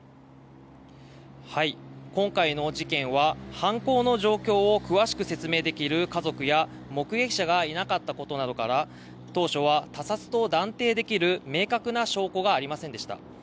今回の事件は犯行の状況を詳しく説明できる家族や目撃者がいなかったことなどから当初は他殺と断定できる明確な証拠がありませんでした。